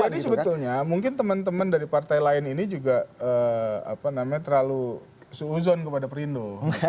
jadi sebetulnya mungkin teman teman dari partai lain ini juga terlalu seuzon kepada perindu